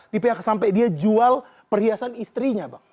di pihak sampai dia jual perhiasan istrinya bang